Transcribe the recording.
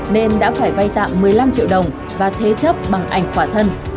nên đã phải vay tạm một mươi năm triệu đồng và thế chấp bằng ảnh quả thân